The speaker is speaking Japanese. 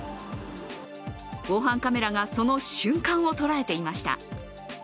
防犯カメラがその瞬間を捉えていました。